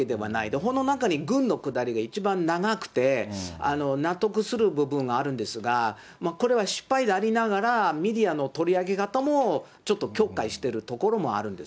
本の中に軍のくだりが一番長くて、納得する部分があるんですが、これは失敗でありながら、メディアの取り上げ方も後悔してるところもあるんです。